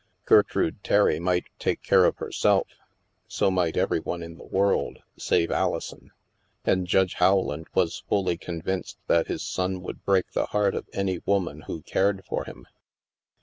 Gertrude Terry might take care of herself ; so might every one in the world, save Alison. And Judge Howland was fully con vinced that his son would break the heart of any woman who cared for him.